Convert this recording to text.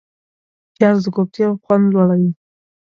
پیاز د کوفتې خوند لوړوي